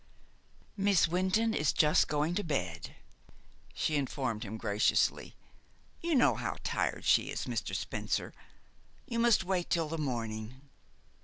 "Miss Wynton is just going to bed," she informed him graciously. "You know how tired she is, Mr. Spencer. You must wait till the morning."